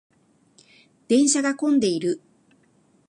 電車が混んでいる。